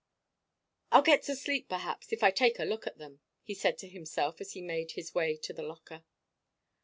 "I'll get to sleep, perhaps, if I take a look at them," he said to himself as he made his way to the locker.